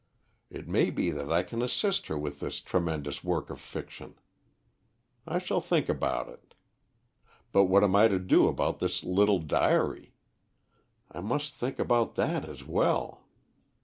It may be that I can assist her with this tremendous work of fiction. I shall think about it. But what am I to do about this little diary? I must think about that as well.